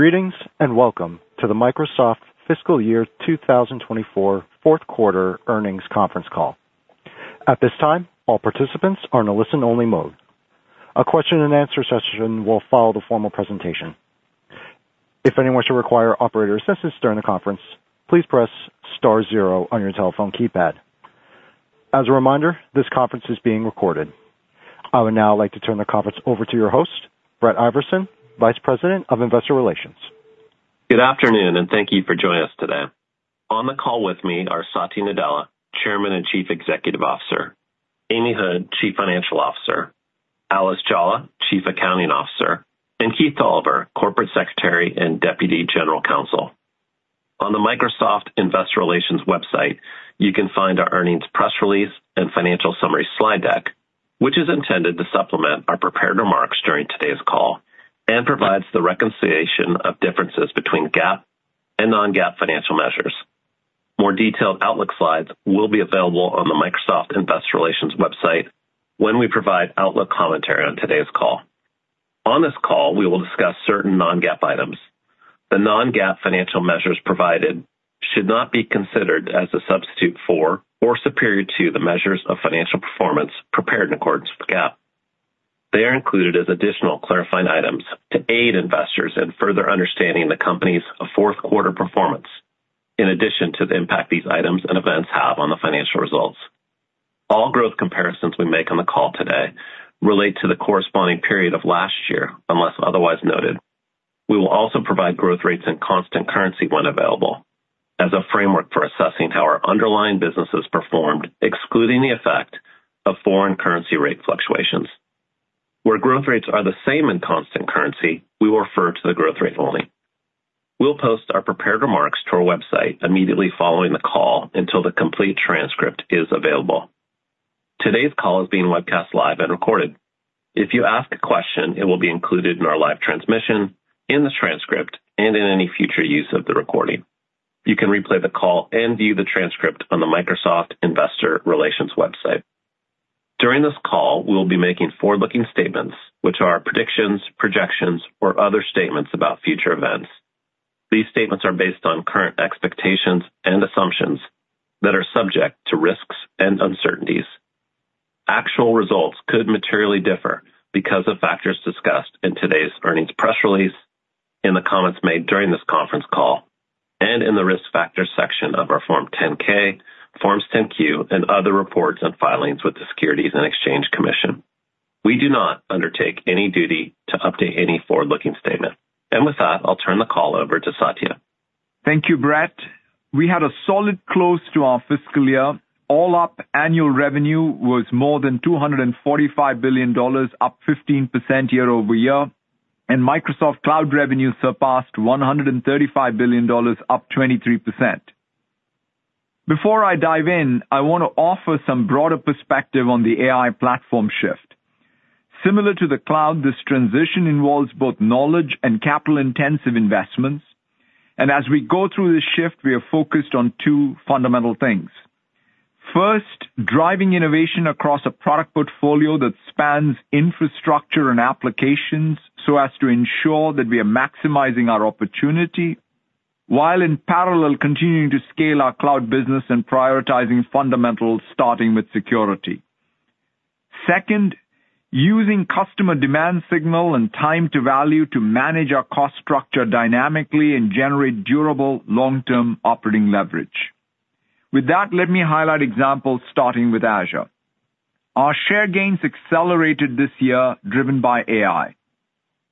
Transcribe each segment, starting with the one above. Greetings and welcome to the Microsoft fiscal year 2024 fourth quarter earnings conference call. At this time, all participants are in a listen-only mode. A question-and-answer session will follow the formal presentation. If anyone should require operator assistance during the conference, please press star zero on your telephone keypad. As a reminder, this conference is being recorded. I would now like to turn the conference over to your host, Brett Iversen, Vice President of Investor Relations. Good afternoon, and thank you for joining us today. On the call with me are Satya Nadella, Chairman and Chief Executive Officer, Amy Hood, Chief Financial Officer, Alice Jolla, Chief Accounting Officer, and Keith Dolliver, Corporate Secretary and Deputy General Counsel. On the Microsoft Investor Relations website, you can find our earnings press release and financial summary slide deck, which is intended to supplement our prepared remarks during today's call and provides the reconciliation of differences between GAAP and non-GAAP financial measures. More detailed outlook slides will be available on the Microsoft Investor Relations website when we provide outlook commentary on today's call. On this call, we will discuss certain non-GAAP items. The non-GAAP financial measures provided should not be considered as a substitute for or superior to the measures of financial performance prepared in accordance with GAAP. They are included as additional clarifying items to aid investors in further understanding the company's fourth quarter performance, in addition to the impact these items and events have on the financial results. All growth comparisons we make on the call today relate to the corresponding period of last year, unless otherwise noted. We will also provide growth rates in constant currency when available as a framework for assessing how our underlying business has performed, excluding the effect of foreign currency rate fluctuations. Where growth rates are the same in constant currency, we will refer to the growth rate only. We'll post our prepared remarks to our website immediately following the call until the complete transcript is available. Today's call is being webcast live and recorded. If you ask a question, it will be included in our live transmission, in the transcript, and in any future use of the recording. You can replay the call and view the transcript on the Microsoft Investor Relations website. During this call, we'll be making forward-looking statements, which are predictions, projections, or other statements about future events. These statements are based on current expectations and assumptions that are subject to risks and uncertainties. Actual results could materially differ because of factors discussed in today's earnings press release, in the comments made during this conference call, and in the risk factors section of our Form 10-K, Forms 10-Q, and other reports and filings with the Securities and Exchange Commission. We do not undertake any duty to update any forward-looking statement. With that, I'll turn the call over to Satya. Thank you, Brett. We had a solid close to our fiscal year. All up, annual revenue was more than $245 billion, up 15% year-over-year, and Microsoft Cloud revenue surpassed $135 billion, up 23%. Before I dive in, I want to offer some broader perspective on the AI platform shift. Similar to the Cloud, this transition involves both knowledge and capital-intensive investments. As we go through this shift, we are focused on two fundamental things. First, driving innovation across a product portfolio that spans infrastructure and applications so as to ensure that we are maximizing our opportunity while in parallel continuing to scale our Cloud business and prioritizing fundamentals, starting with security. Second, using customer demand signal and time to value to manage our cost structure dynamically and generate durable long-term operating leverage. With that, let me highlight examples starting with Azure. Our share gains accelerated this year, driven by AI.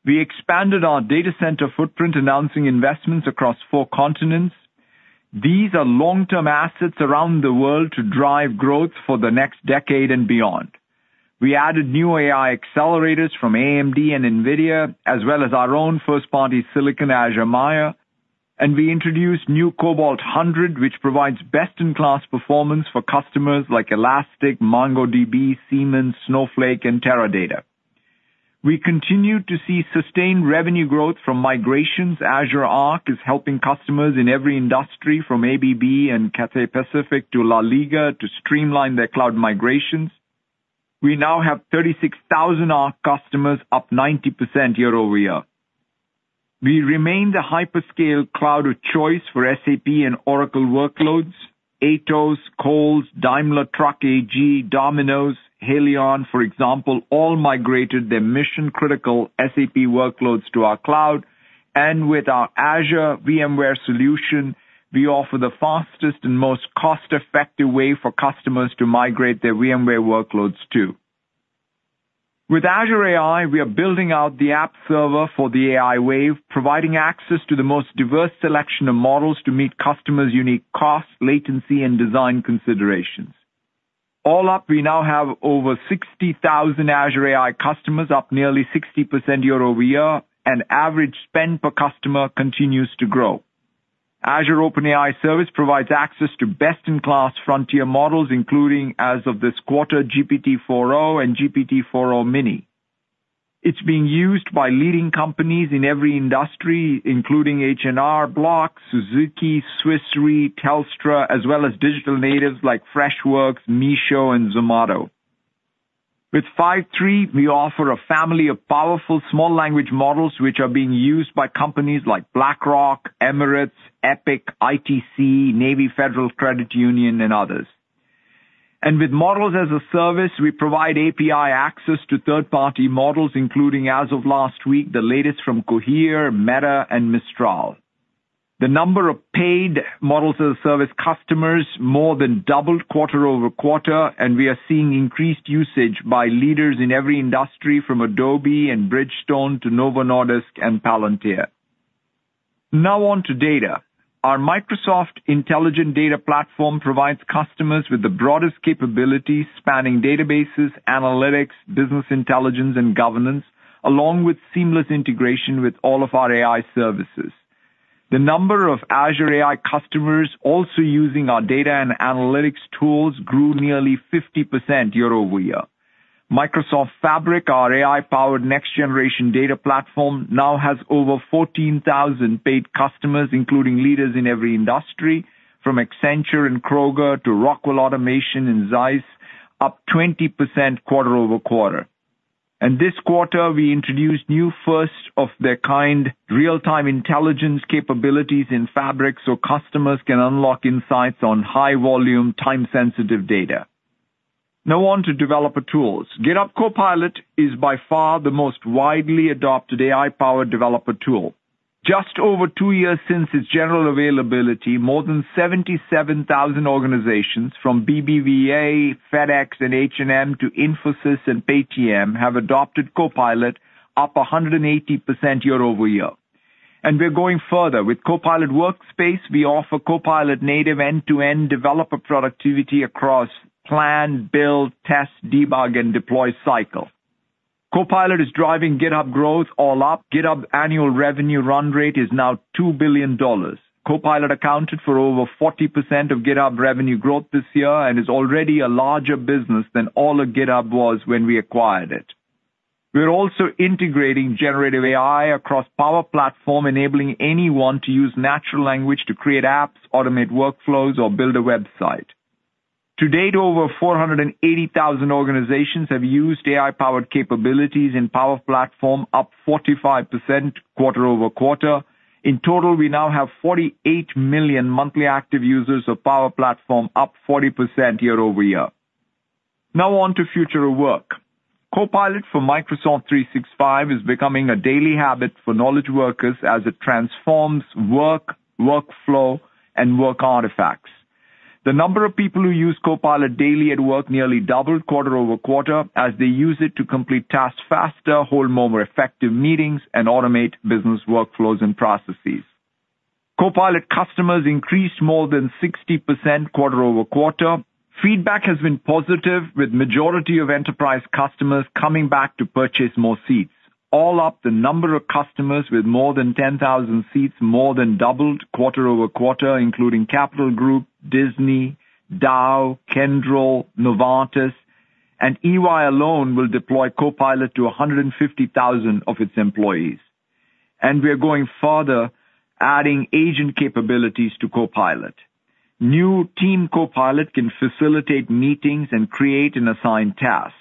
We expanded our data center footprint, announcing investments across four continents. These are long-term assets around the world to drive growth for the next decade and beyond. We added new AI accelerators from AMD and Nvidia, as well as our own first-party silicon, Azure Maia, and we introduced Azure Cobalt 100, which provides best-in-class performance for customers like Elastic, MongoDB, Siemens, Snowflake, and Teradata. We continue to see sustained revenue growth from migrations. Azure Arc is helping customers in every industry, from ABB and Cathay Pacific to La Liga, to streamline their cloud migrations. We now have 36,000 Arc customers, up 90% year-over-year. We remain the hyperscale cloud of choice for SAP and Oracle workloads. Atos, Coles, Daimler Truck AG, Domino's, Haleon, for example, all migrated their mission-critical SAP workloads to our cloud. With our Azure VMware Solution, we offer the fastest and most cost-effective way for customers to migrate their VMware workloads too. With Azure AI, we are building out the app server for the AI wave, providing access to the most diverse selection of models to meet customers' unique cost, latency, and design considerations. All up, we now have over 60,000 Azure AI customers, up nearly 60% year-over-year, and average spend per customer continues to grow. Azure OpenAI Service provides access to best-in-class frontier models, including, as of this quarter, GPT-4o and GPT-4o Mini. It's being used by leading companies in every industry, including H&R Block, Suzuki, Swiss Re, Telstra, as well as digital natives like Freshworks, Meesho, and Zomato. With Phi-3, we offer a family of powerful small language models, which are being used by companies like BlackRock, Emirates, Epic, ITC, Navy Federal Credit Union, and others. With Models as a Service, we provide API access to third-party models, including, as of last week, the latest from Cohere, Meta, and Mistral. The number of paid Models as a Service customers more than doubled quarter-over-quarter, and we are seeing increased usage by leaders in every industry, from Adobe and Bridgestone to Novo Nordisk and Palantir. Now on to data. Our Microsoft Intelligent Data Platform provides customers with the broadest capabilities, spanning databases, analytics, business intelligence, and governance, along with seamless integration with all of our AI services. The number of Azure AI customers also using our data and analytics tools grew nearly 50% year-over-year. Microsoft Fabric, our AI-powered next-generation data platform, now has over 14,000 paid customers, including leaders in every industry, from Accenture and Kroger to Rockwell Automation and Zeiss, up 20% quarter-over-quarter. This quarter, we introduced new first-of-the-kind Real-Time Intelligence capabilities in Fabric, so customers can unlock insights on high-volume, time-sensitive data. Now on to developer tools. GitHub Copilot is by far the most widely adopted AI-powered developer tool. Just over two years since its general availability, more than 77,000 organizations, from BBVA, FedEx, and H&M, to Infosys and Paytm, have adopted Copilot, up 180% year-over-year. We're going further. With Copilot Workspace, we offer Copilot-native end-to-end developer productivity across plan, build, test, debug, and deploy cycle. Copilot is driving GitHub growth all up. GitHub's annual revenue run rate is now $2 billion. Copilot accounted for over 40% of GitHub revenue growth this year and is already a larger business than all of GitHub was when we acquired it. We're also integrating generative AI across Power Platform, enabling anyone to use natural language to create apps, automate workflows, or build a website. To date, over 480,000 organizations have used AI-powered capabilities in Power Platform, up 45% quarter-over-quarter. In total, we now have 48 million monthly active users of Power Platform, up 40% year-over-year. Now on to future of work. Copilot for Microsoft 365 is becoming a daily habit for knowledge workers as it transforms work, workflow, and work artifacts. The number of people who use Copilot daily at work nearly doubled quarter-over-quarter as they use it to complete tasks faster, hold more effective meetings, and automate business workflows and processes. Copilot customers increased more than 60% quarter-over-quarter. Feedback has been positive, with the majority of enterprise customers coming back to purchase more seats. All up, the number of customers with more than 10,000 seats more than doubled quarter-over-quarter, including Capital Group, Disney, Dow, Kyndryl, Novartis, and EY alone will deploy Copilot to 150,000 of its employees. And we're going further, adding agent capabilities to Copilot. New Team Copilot can facilitate meetings and create an assigned task.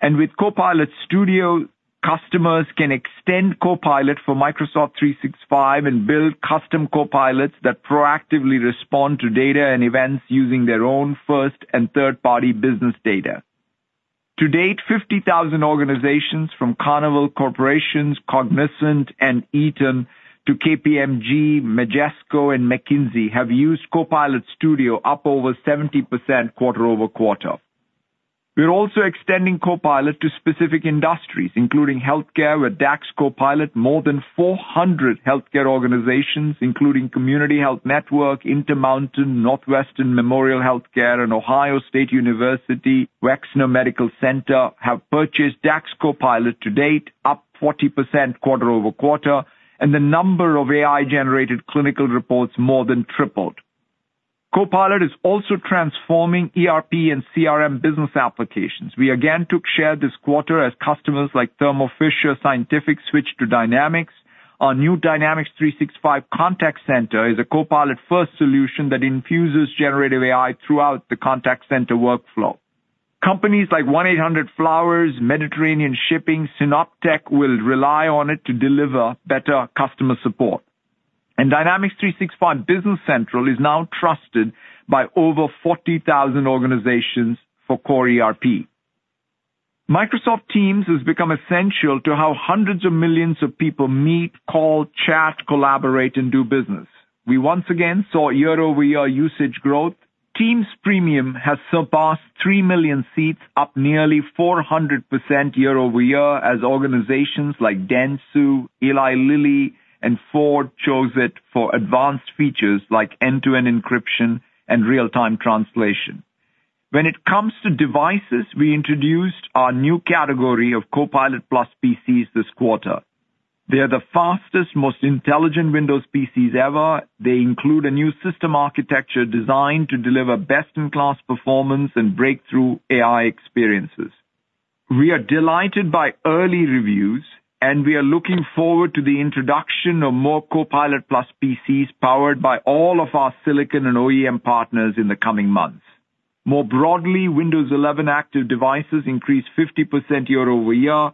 And with Copilot Studio, customers can extend Copilot for Microsoft 365 and build custom Copilots that proactively respond to data and events using their own first and third-party business data. To date, 50,000 organizations, from Carnival Corporation, Cognizant, and Eaton, to KPMG, Majesco, and McKinsey, have used Copilot Studio, up over 70% quarter-over-quarter. We're also extending Copilot to specific industries, including healthcare, with DAX Copilot. More than 400 healthcare organizations, including Community Health Network, Intermountain Health, Northwestern Memorial HealthCare, and Ohio State University Wexner Medical Center, have purchased DAX Copilot to date, up 40% quarter-over-quarter, and the number of AI-generated clinical reports more than tripled. Copilot is also transforming ERP and CRM business applications. We again took share this quarter as customers like Thermo Fisher Scientific switched to Dynamics. Our new Dynamics 365 Contact Center is a Copilot-first solution that infuses generative AI throughout the contact center workflow. Companies like 1-800-Flowers, Mediterranean Shipping Company, Synoptek will rely on it to deliver better customer support. Dynamics 365 Business Central is now trusted by over 40,000 organizations for core ERP. Microsoft Teams has become essential to how hundreds of millions of people meet, call, chat, collaborate, and do business. We once again saw year-over-year usage growth. Teams Premium has surpassed 3 million seats, up nearly 400% year-over-year as organizations like Dentsu, Eli Lilly, and Ford chose it for advanced features like end-to-end encryption and real-time translation. When it comes to devices, we introduced our new category of Copilot+ PCs this quarter. They are the fastest, most intelligent Windows PCs ever. They include a new system architecture designed to deliver best-in-class performance and breakthrough AI experiences. We are delighted by early reviews, and we are looking forward to the introduction of more Copilot+ PCs powered by all of our silicon and OEM partners in the coming months. More broadly, Windows 11 active devices increased 50% year-over-year,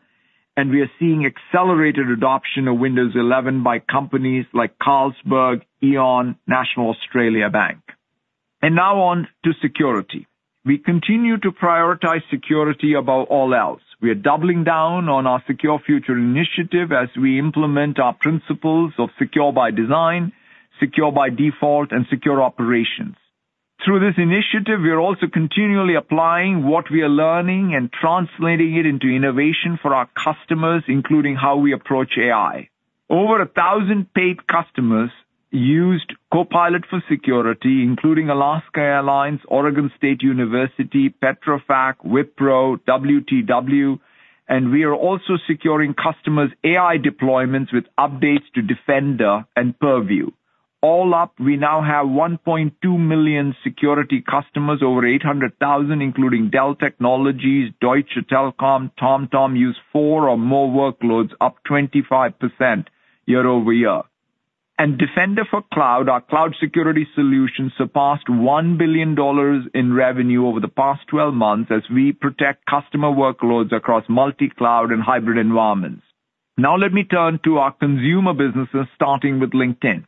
and we are seeing accelerated adoption of Windows 11 by companies like Carlsberg, E.ON, National Australia Bank. Now on to security. We continue to prioritize security above all else. We are doubling down on our Secure Future Initiative as we implement our principles of secure by design, secure by default, and secure operations. Through this initiative, we are also continually applying what we are learning and translating it into innovation for our customers, including how we approach AI. Over 1,000 paid customers used Copilot for Security, including Alaska Airlines, Oregon State University, Petrofac, Wipro, WTW, and we are also securing customers' AI deployments with updates to Defender and Purview. All up, we now have 1.2 million security customers, over 800,000, including Dell Technologies, Deutsche Telekom, and TomTom use four or more workloads, up 25% year-over-year. And Defender for Cloud, our cloud security solution, surpassed $1 billion in revenue over the past 12 months as we protect customer workloads across multi-cloud and hybrid environments. Now let me turn to our consumer businesses, starting with LinkedIn.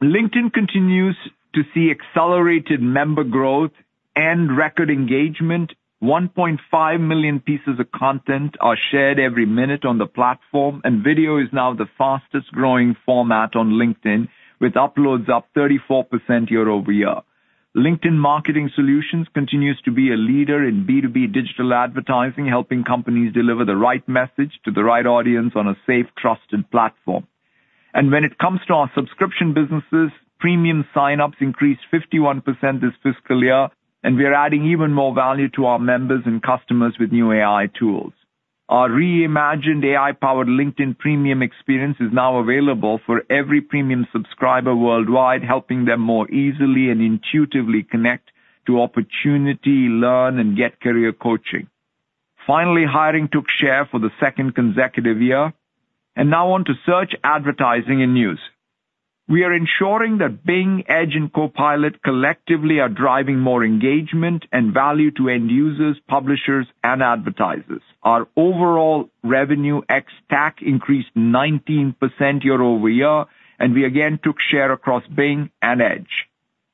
LinkedIn continues to see accelerated member growth and record engagement. 1.5 million pieces of content are shared every minute on the platform, and video is now the fastest-growing format on LinkedIn, with uploads up 34% year-over-year. LinkedIn Marketing Solutions continues to be a leader in B2B digital advertising, helping companies deliver the right message to the right audience on a safe, trusted platform. When it comes to our subscription businesses, premium sign-ups increased 51% this fiscal year, and we are adding even more value to our members and customers with new AI tools. Our reimagined AI-powered LinkedIn Premium experience is now available for every premium subscriber worldwide, helping them more easily and intuitively connect to opportunity, learn, and get career coaching. Finally, hiring took share for the second consecutive year. Now on to search advertising and news. We are ensuring that Bing, Edge, and Copilot collectively are driving more engagement and value to end users, publishers, and advertisers. Our overall revenue ex-TAC increased 19% year-over-year, and we again took share across Bing and Edge.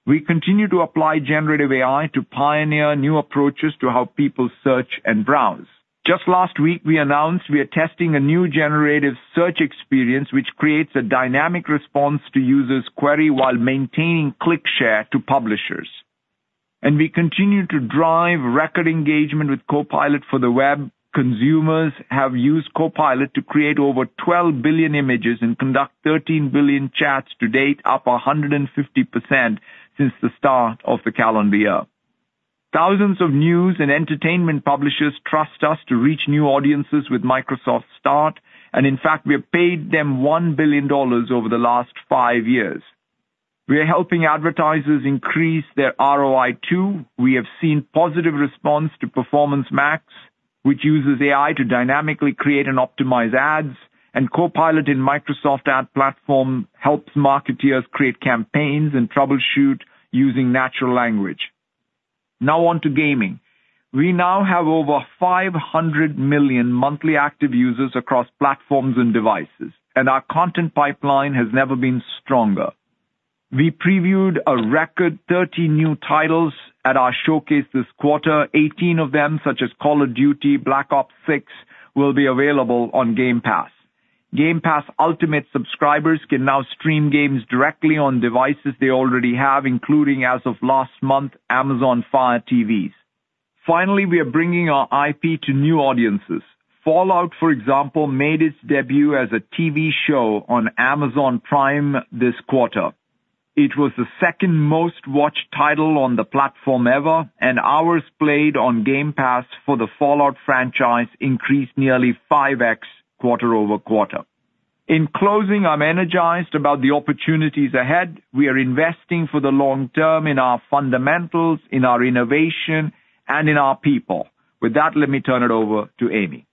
We continue to apply generative AI to pioneer new approaches to how people search and browse. Just last week, we announced we are testing a new generative search experience which creates a dynamic response to users' query while maintaining click share to publishers. We continue to drive record engagement with Copilot for the web. Consumers have used Copilot to create over 12 billion images and conduct 13 billion chats to date, up 150% since the start of the calendar year. Thousands of news and entertainment publishers trust us to reach new audiences with Microsoft Start, and in fact, we have paid them $1 billion over the last five years. We are helping advertisers increase their ROI too. We have seen positive response to Performance Max, which uses AI to dynamically create and optimize ads, and Copilot in Microsoft Ad Platform helps marketeers create campaigns and troubleshoot using natural language. Now on to gaming. We now have over 500 million monthly active users across platforms and devices, and our content pipeline has never been stronger. We previewed a record 30 new titles at our showcase this quarter. 18 of them, such as Call of Duty: Black Ops 6, will be available on Game Pass. Game Pass Ultimate subscribers can now stream games directly on devices they already have, including, as of last month, Amazon Fire TVs. Finally, we are bringing our IP to new audiences. Fallout, for example, made its debut as a TV show on Amazon Prime this quarter. It was the second most-watched title on the platform ever, and hours played on Game Pass for the Fallout franchise increased nearly 5x quarter-over-quarter. In closing, I'm energized about the opportunities ahead. We are investing for the long-term in our fundamentals, in our innovation, and in our people. With that, let me turn it over to Amy.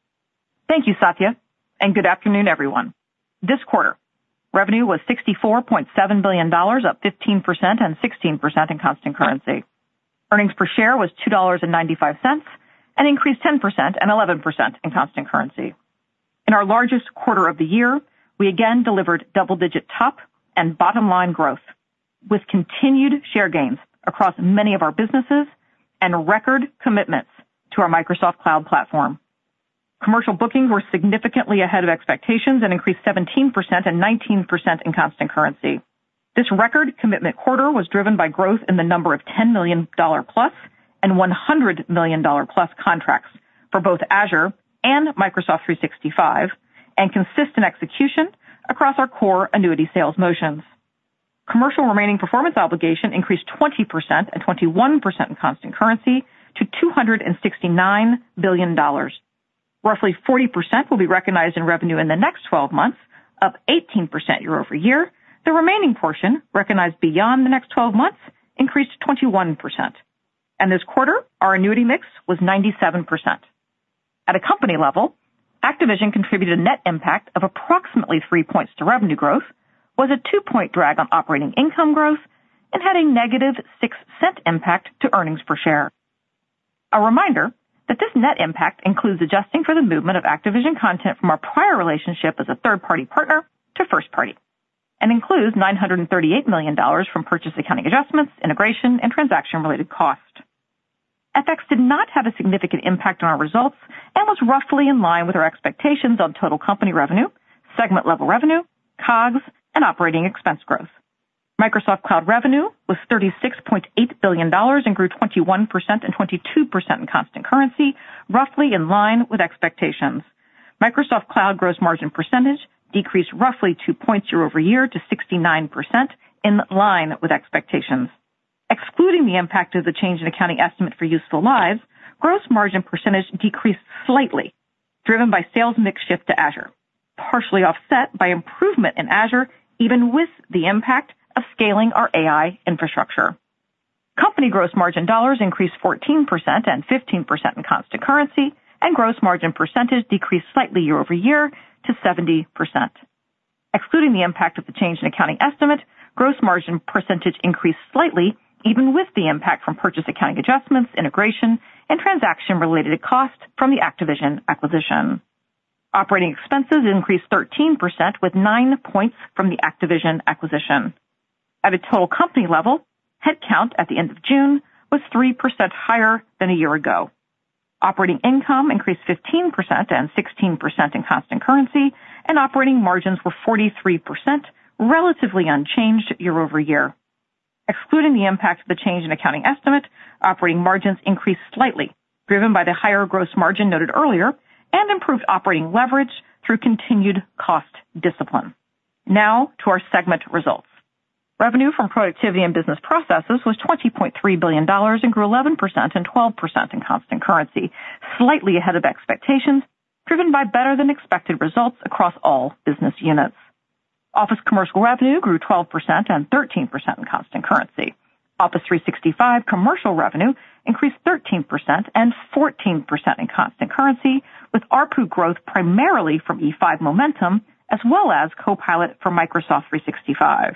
Thank you, Satya, and good afternoon, everyone. This quarter, revenue was $64.7 billion, up 15% and 16% in constant currency. Earnings per share was $2.95 and increased 10% and 11% in constant currency. In our largest quarter of the year, we again delivered double-digit top and bottom-line growth with continued share gains across many of our businesses and record commitments to our Microsoft Cloud Platform. Commercial bookings were significantly ahead of expectations and increased 17% and 19% in constant currency. This record commitment quarter was driven by growth in the number of $10 million plus and $100 million plus contracts for both Azure and Microsoft 365, and consistent execution across our core annuity sales motions. Commercial remaining performance obligation increased 20% and 21% in constant currency to $269 billion. Roughly 40% will be recognized in revenue in the next 12 months, up 18% year-over-year. The remaining portion recognized beyond the next 12 months increased 21%. This quarter, our annuity mix was 97%. At a company level, Activision contributed a net impact of approximately 3 points to revenue growth, was a 2-point drag on operating income growth, and had a negative $0.06 impact to earnings per share. A reminder that this net impact includes adjusting for the movement of Activision content from our prior relationship as a third-party partner to first-party, and includes $938 million from purchase accounting adjustments, integration, and transaction-related cost. FX did not have a significant impact on our results and was roughly in line with our expectations on total company revenue, segment-level revenue, COGS, and operating expense growth. Microsoft Cloud revenue was $36.8 billion and grew 21% and 22% in constant currency, roughly in line with expectations. Microsoft Cloud gross margin percentage decreased roughly 2 points year-over-year to 69%, in line with expectations. Excluding the impact of the change in accounting estimate for useful lives, gross margin percentage decreased slightly, driven by sales mix shift to Azure, partially offset by improvement in Azure, even with the impact of scaling our AI infrastructure. Company gross margin dollars increased 14% and 15% in constant currency, and gross margin percentage decreased slightly year-over-year to 70%. Excluding the impact of the change in accounting estimate, gross margin percentage increased slightly, even with the impact from purchase accounting adjustments, integration, and transaction-related cost from the Activision acquisition. Operating expenses increased 13% with 9 points from the Activision acquisition. At a total company level, headcount at the end of June was 3% higher than a year ago. Operating income increased 15% and 16% in constant currency, and operating margins were 43%, relatively unchanged year-over-year. Excluding the impact of the change in accounting estimate, operating margins increased slightly, driven by the higher gross margin noted earlier, and improved operating leverage through continued cost discipline. Now to our segment results. Revenue from productivity and business processes was $20.3 billion and grew 11% and 12% in constant currency, slightly ahead of expectations, driven by better-than-expected results across all business units. Office commercial revenue grew 12% and 13% in constant currency. Office 365 commercial revenue increased 13% and 14% in constant currency, with ARPU growth primarily from E5 momentum as well as Copilot for Microsoft 365.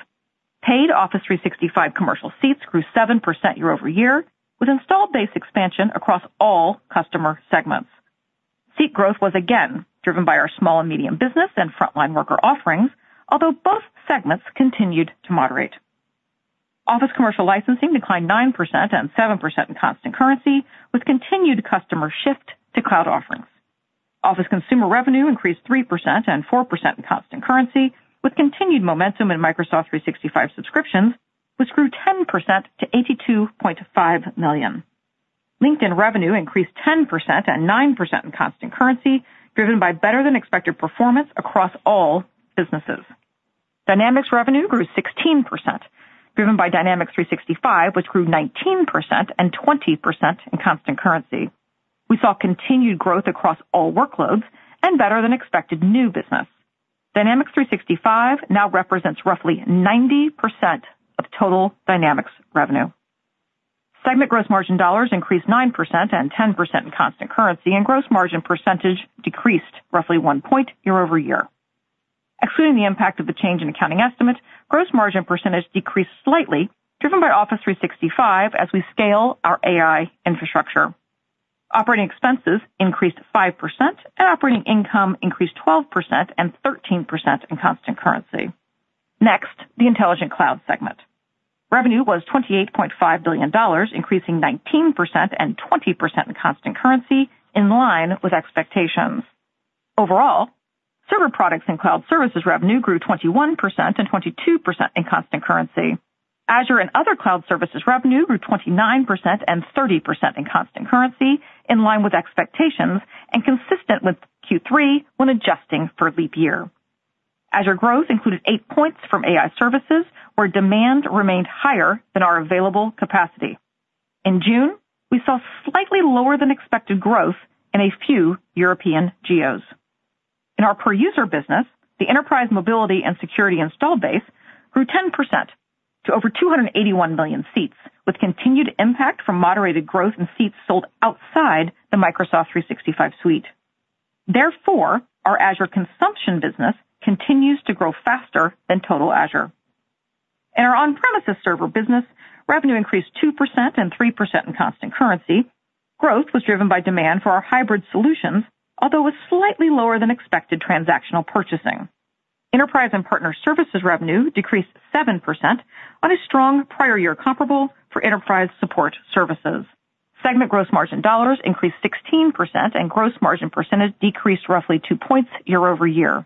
Paid Office 365 commercial seats grew 7% year-over-year with installed base expansion across all customer segments. Seat growth was again driven by our small and medium business and frontline worker offerings, although both segments continued to moderate. Office commercial licensing declined 9% and 7% in constant currency with continued customer shift to cloud offerings. Office consumer revenue increased 3% and 4% in constant currency with continued momentum in Microsoft 365 subscriptions, which grew 10% to 82.5 million. LinkedIn revenue increased 10% and 9% in constant currency, driven by better-than-expected performance across all businesses. Dynamics revenue grew 16%, driven by Dynamics 365, which grew 19% and 20% in constant currency. We saw continued growth across all workloads and better-than-expected new business. Dynamics 365 now represents roughly 90% of total Dynamics revenue. Segment gross margin dollars increased 9% and 10% in constant currency, and gross margin percentage decreased roughly 1 point year-over-year. Excluding the impact of the change in accounting estimate, gross margin percentage decreased slightly, driven by Office 365 as we scale our AI infrastructure. Operating expenses increased 5%, and operating income increased 12% and 13% in constant currency. Next, the intelligent cloud segment. Revenue was $28.5 billion, increasing 19% and 20% in constant currency, in line with expectations. Overall, server products and cloud services revenue grew 21% and 22% in constant currency. Azure and other cloud services revenue grew 29% and 30% in constant currency, in line with expectations and consistent with Q3 when adjusting for leap year. Azure growth included 8 points from AI services, where demand remained higher than our available capacity. In June, we saw slightly lower-than-expected growth in a few European geos. In our per-user business, the enterprise mobility and security installed base grew 10% to over 281 million seats, with continued impact from moderated growth in seats sold outside the Microsoft 365 suite. Therefore, our Azure consumption business continues to grow faster than total Azure. In our on-premises server business, revenue increased 2% and 3% in constant currency. Growth was driven by demand for our hybrid solutions, although it was slightly lower than expected transactional purchasing. Enterprise and partner services revenue decreased 7% on a strong prior-year comparable for enterprise support services. Segment gross margin dollars increased 16%, and gross margin percentage decreased roughly 2 points year-over-year.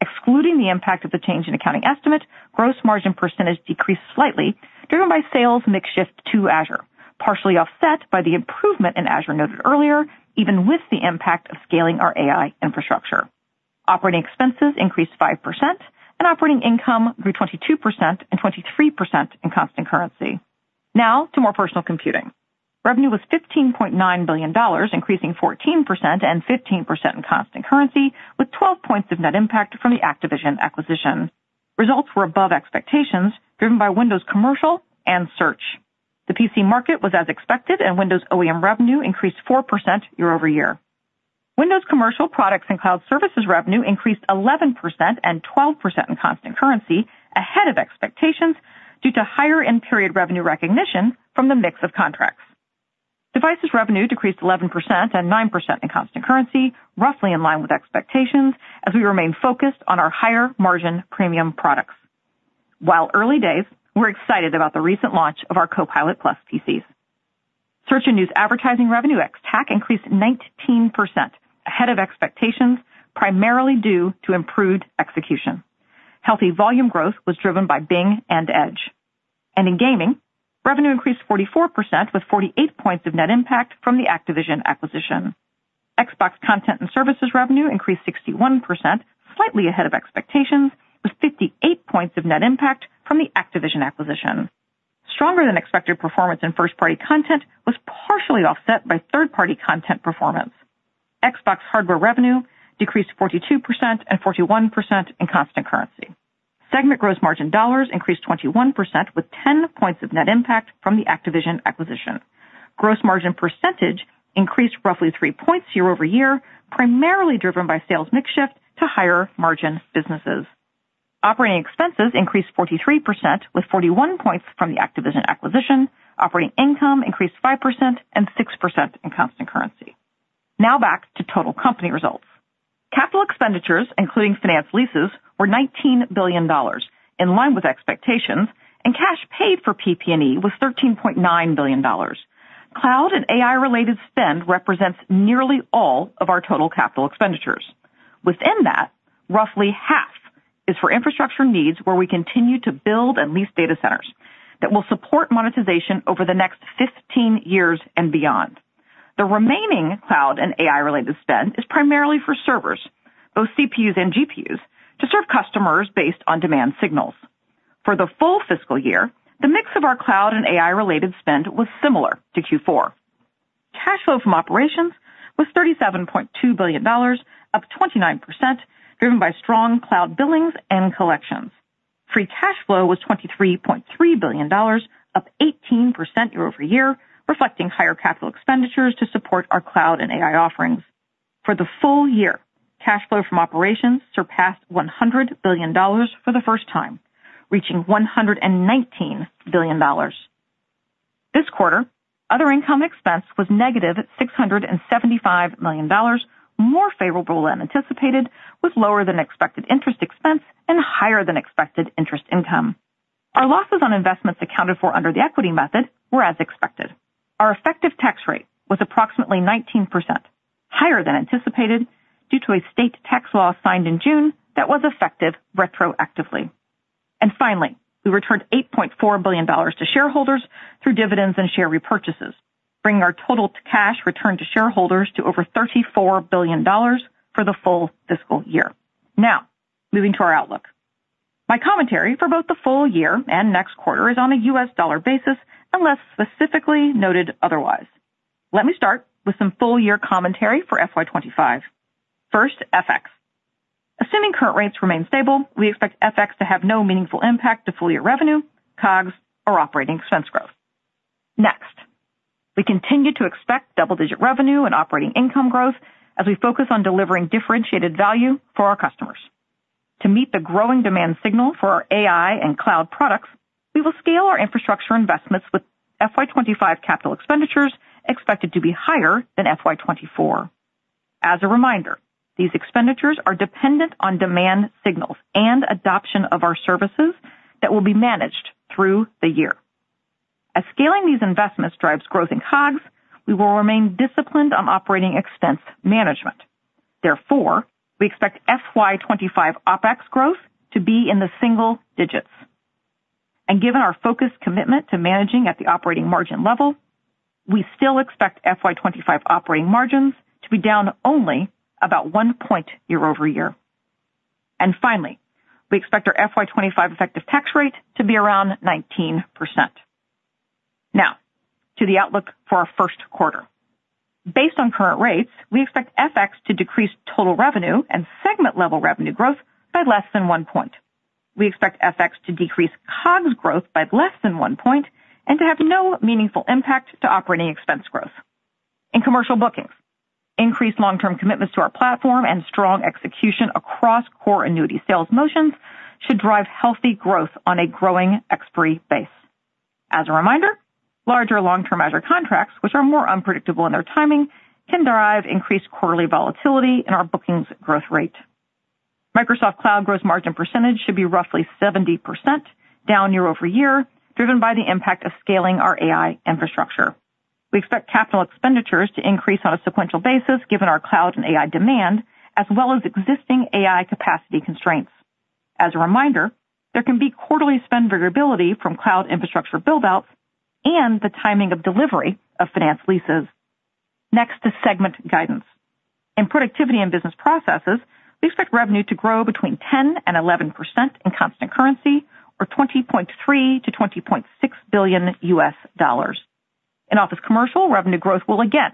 Excluding the impact of the change in accounting estimate, gross margin percentage decreased slightly, driven by sales mix shift to Azure, partially offset by the improvement in Azure noted earlier, even with the impact of scaling our AI infrastructure. Operating expenses increased 5%, and operating income grew 22% and 23% in constant currency. Now to more personal computing. Revenue was $15.9 billion, increasing 14% and 15% in constant currency, with 12 points of net impact from the Activision acquisition. Results were above expectations, driven by Windows Commercial and Search. The PC market was as expected, and Windows OEM revenue increased 4% year-over-year. Windows Commercial products and cloud services revenue increased 11% and 12% in constant currency, ahead of expectations due to higher in-period revenue recognition from the mix of contracts. Devices revenue decreased 11% and 9% in constant currency, roughly in line with expectations, as we remain focused on our higher-margin premium products. While early days, we're excited about the recent launch of our Copilot+ PCs. Search and news advertising revenue ex-tax increased 19%, ahead of expectations, primarily due to improved execution. Healthy volume growth was driven by Bing and Edge. And in gaming, revenue increased 44% with 48 points of net impact from the Activision acquisition. Xbox content and services revenue increased 61%, slightly ahead of expectations, with 58 points of net impact from the Activision acquisition. Stronger-than-expected performance in first-party content was partially offset by third-party content performance. Xbox hardware revenue decreased 42% and 41% in constant currency. Segment gross margin dollars increased 21% with 10 points of net impact from the Activision acquisition. Gross margin percentage increased roughly 3 points year-over-year, primarily driven by sales mix shift to higher-margin businesses. Operating expenses increased 43% with 41 points from the Activision acquisition. Operating income increased 5% and 6% in constant currency. Now back to total company results. Capital expenditures, including finance leases, were $19 billion, in line with expectations, and cash paid for PP&E was $13.9 billion. Cloud and AI-related spend represents nearly all of our total capital expenditures. Within that, roughly half is for infrastructure needs where we continue to build and lease data centers that will support monetization over the next 15 years and beyond. The remaining cloud and AI-related spend is primarily for servers, both CPUs and GPUs, to serve customers based on demand signals. For the full fiscal year, the mix of our cloud and AI-related spend was similar to Q4. Cash flow from operations was $37.2 billion, up 29%, driven by strong cloud billings and collections. Free cash flow was $23.3 billion, up 18% year-over-year, reflecting higher capital expenditures to support our cloud and AI offerings. For the full year, cash flow from operations surpassed $100 billion for the first time, reaching $119 billion. This quarter, other income expense was negative $675 million, more favorable than anticipated, with lower-than-expected interest expense and higher-than-expected interest income. Our losses on investments accounted for under the equity method were as expected. Our effective tax rate was approximately 19%, higher than anticipated due to a state tax law signed in June that was effective retroactively. And finally, we returned $8.4 billion to shareholders through dividends and share repurchases, bringing our total cash return to shareholders to over $34 billion for the full fiscal year. Now, moving to our outlook. My commentary for both the full year and next quarter is on a U.S. dollar basis, unless specifically noted otherwise. Let me start with some full-year commentary for FY 2025. First, FX. Assuming current rates remain stable, we expect FX to have no meaningful impact to full-year revenue, COGS, or operating expense growth. Next, we continue to expect double-digit revenue and operating income growth as we focus on delivering differentiated value for our customers. To meet the growing demand signal for our AI and cloud products, we will scale our infrastructure investments with FY 2025 capital expenditures expected to be higher than FY 2024. As a reminder, these expenditures are dependent on demand signals and adoption of our services that will be managed through the year. As scaling these investments drives growth in COGS, we will remain disciplined on operating expense management. Therefore, we expect FY 2025 OpEx growth to be in the single digits. Given our focused commitment to managing at the operating margin level, we still expect FY 2025 operating margins to be down only about 1 point year-over-year. Finally, we expect our FY 2025 effective tax rate to be around 19%. Now, to the outlook for our first quarter. Based on current rates, we expect FX to decrease total revenue and segment-level revenue growth by less than 1 point. We expect FX to decrease COGS growth by less than 1 point and to have no meaningful impact to operating expense growth. In commercial bookings, increased long-term commitments to our platform and strong execution across core annuity sales motions should drive healthy growth on a growing expiry base. As a reminder, larger long-term Azure contracts, which are more unpredictable in their timing, can derive increased quarterly volatility in our bookings growth rate. Microsoft Cloud gross margin percentage should be roughly 70%, down year-over-year, driven by the impact of scaling our AI infrastructure. We expect capital expenditures to increase on a sequential basis, given our cloud and AI demand, as well as existing AI capacity constraints. As a reminder, there can be quarterly spend variability from cloud infrastructure buildouts and the timing of delivery of finance leases. Next is segment guidance. In Productivity and Business Processes, we expect revenue to grow between 10%-11% in constant currency, or $20.3 billion-$20.6 billion. In Office Commercial, revenue growth will again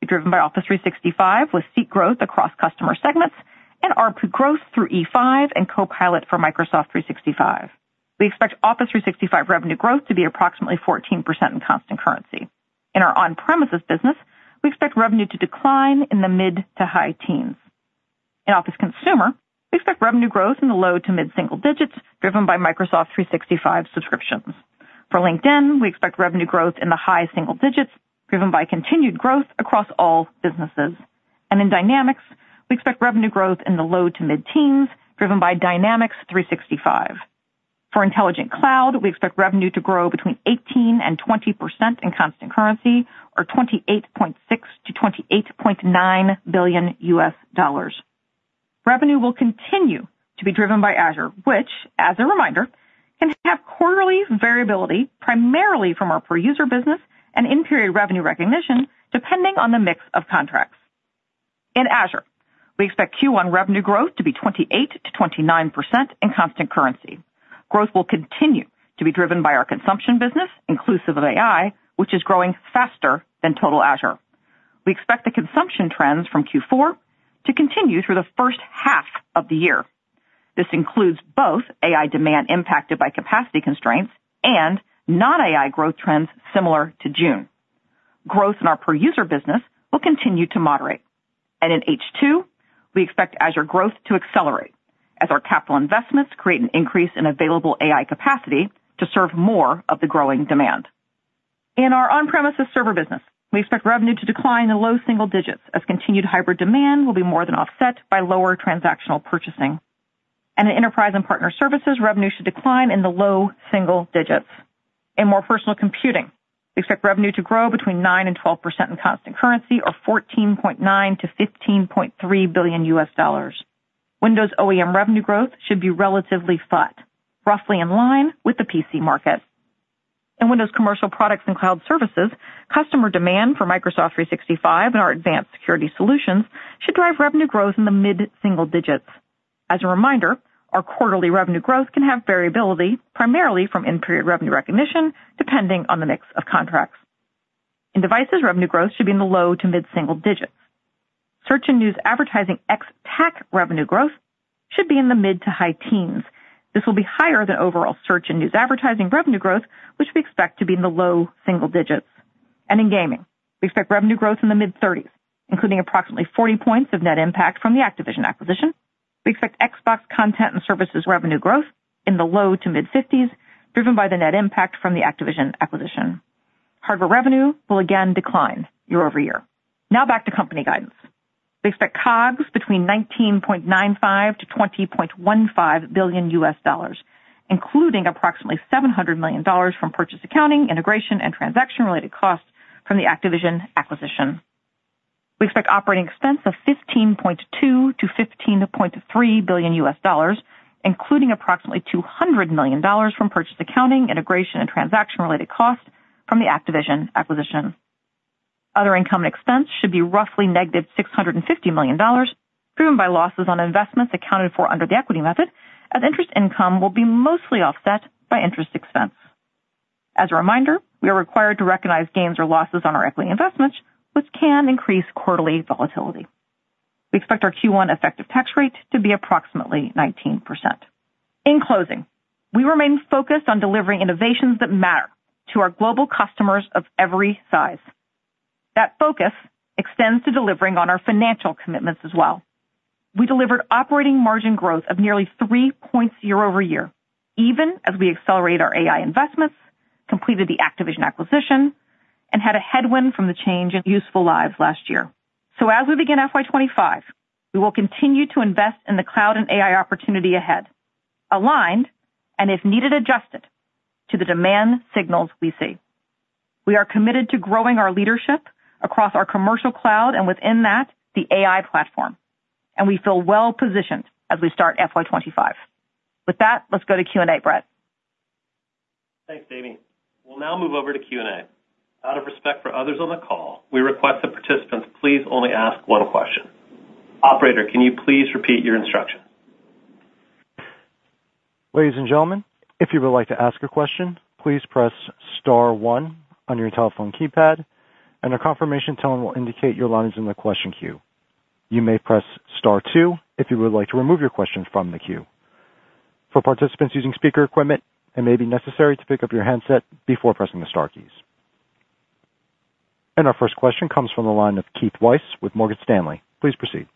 be driven by Office 365, with seat growth across customer segments and ARPU growth through E5 and Copilot for Microsoft 365. We expect Office 365 revenue growth to be approximately 14% in constant currency. In our on-premises business, we expect revenue to decline in the mid to high teens. In office consumer, we expect revenue growth in the low to mid single digits, driven by Microsoft 365 subscriptions. For LinkedIn, we expect revenue growth in the high single digits, driven by continued growth across all businesses. In Dynamics, we expect revenue growth in the low to mid teens, driven by Dynamics 365. For intelligent cloud, we expect revenue to grow between 18% and 20% in constant currency, or $28.6 billion-$28.9 billion. Revenue will continue to be driven by Azure, which, as a reminder, can have quarterly variability primarily from our per-user business and in-period revenue recognition, depending on the mix of contracts. In Azure, we expect Q1 revenue growth to be 28%-29% in constant currency. Growth will continue to be driven by our consumption business, inclusive of AI, which is growing faster than total Azure. We expect the consumption trends from Q4 to continue through the first half of the year. This includes both AI demand impacted by capacity constraints and non-AI growth trends similar to June. Growth in our per-user business will continue to moderate. In H2, we expect Azure growth to accelerate as our capital investments create an increase in available AI capacity to serve more of the growing demand. In our on-premises server business, we expect revenue to decline in the low single digits, as continued hybrid demand will be more than offset by lower transactional purchasing. In enterprise and partner services, revenue should decline in the low single digits. In More Personal Computing, we expect revenue to grow between 9% and 12% in constant currency, or $14.9 billion-$15.3 billion. Windows OEM revenue growth should be relatively flat, roughly in line with the PC market. In Windows Commercial products and cloud services, customer demand for Microsoft 365 and our advanced security solutions should drive revenue growth in the mid single digits. As a reminder, our quarterly revenue growth can have variability primarily from in-period revenue recognition, depending on the mix of contracts. In devices, revenue growth should be in the low to mid single digits. Search and news advertising ex-tax revenue growth should be in the mid to high teens. This will be higher than overall search and news advertising revenue growth, which we expect to be in the low single digits. In gaming, we expect revenue growth in the mid-30s, including approximately 40 points of net impact from the Activision acquisition. We expect Xbox content and services revenue growth in the low-to-mid-50s, driven by the net impact from the Activision acquisition. Hardware revenue will again decline year-over-year. Now back to company guidance. We expect COGS between $19.95 billion-$20.15 billion, including approximately $700 million from purchase accounting, integration, and transaction-related costs from the Activision acquisition. We expect operating expense of $15.2 billion-$15.3 billion, including approximately $200 million from purchase accounting, integration, and transaction-related costs from the Activision acquisition. Other income and expense should be roughly negative $650 million, driven by losses on investments accounted for under the equity method, as interest income will be mostly offset by interest expense. As a reminder, we are required to recognize gains or losses on our equity investments, which can increase quarterly volatility. We expect our Q1 effective tax rate to be approximately 19%. In closing, we remain focused on delivering innovations that matter to our global customers of every size. That focus extends to delivering on our financial commitments as well. We delivered operating margin growth of nearly 3 points year-over-year, even as we accelerated our AI investments, completed the Activision acquisition, and had a headwind from the change in useful lives last year. As we begin FY 2025, we will continue to invest in the cloud and AI opportunity ahead, aligned, and if needed, adjusted to the demand signals we see. We are committed to growing our leadership across our commercial cloud and within that, the AI platform. We feel well-positioned as we start FY 2025. With that, let's go to Q&A, Brett. Thanks, Amy. We'll now move over to Q&A. Out of respect for others on the call, we request that participants please only ask one question. Operator, can you please repeat your instructions? Ladies and gentlemen, if you would like to ask a question, please press star one on your telephone keypad, and a confirmation tone will indicate your line is in the question queue. You may press star two if you would like to remove your question from the queue. For participants using speaker equipment, it may be necessary to pick up your handset before pressing the star keys. And our first question comes from the line of Keith Weiss with Morgan Stanley. Please proceed.